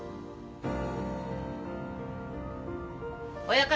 親方。